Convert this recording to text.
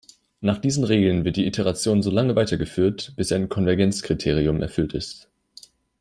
Nach diesen Regeln wird die Iteration so lange weitergeführt, bis ein Konvergenzkriterium erfüllt ist.